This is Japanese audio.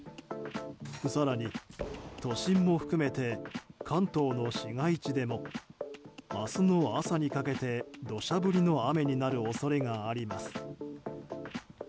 更に、都心も含めて関東の市街地でも明日の朝にかけて土砂降りの雨になる恐れがあります。